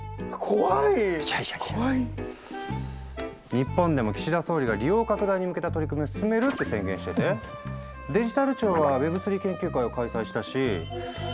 日本でも岸田総理が「利用拡大に向けた取り組みを進める」って宣言しててデジタル庁は「Ｗｅｂ３研究会」を開催したしＷｅｂ